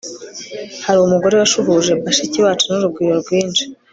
hari umugore washuhuje bashiki bacu n urugwiro rwinshi